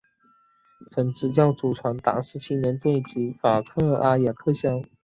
曾执教祖云达斯青年队及法甲阿雅克肖。